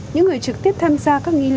những người trực tiếp tham gia các nghi lễ